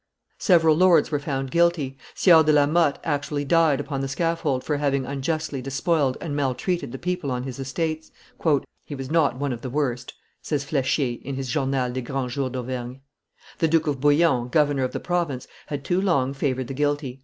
Several lords were found guilty; Sieur de la Mothe actually died upon the scaffold for having unjustly despoiled and maltreated the people on his estates. "He was not one of the worst," says Flechier, in his Journal des Grands Jours d'Auvergne. The Duke of Bouillon, governor of the province, had too long favored the guilty.